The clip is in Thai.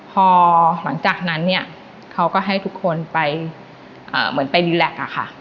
พอหลังจากนั้นเนี่ยเขาก็ให้ทุกคนไปเหมือนไปรีแล็กอะค่ะ